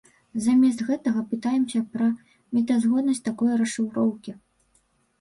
Замест гэтага пытаемся пра мэтазгоднасць такой расшыфроўкі.